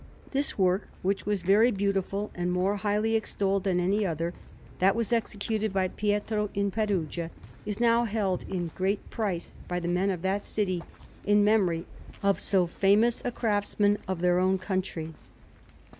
This work, which was very beautiful and more highly extolled than any other that was executed by Pietro in Perugia, is now held in great price by the men of that city in memory of so famous a craftsman of their own country.